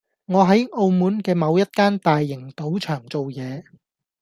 我喺澳門嘅某一間大型賭場做嘢